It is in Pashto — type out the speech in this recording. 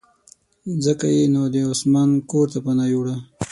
ځکه یې نو د عثمان کورته پناه یووړه.